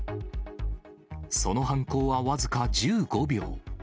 その犯行は僅か１５秒。